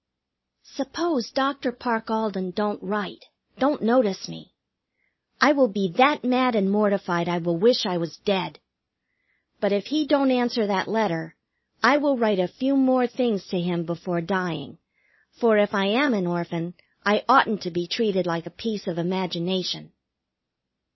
Suppose Dr. Parke Alden don't write, don't notice me! I will be that mad and mortified I will wish I was dead. But if he don't answer that letter, I will write a few more things to him before dying, for, if I am an Orphan, I oughtn't to be treated like a piece of imagination.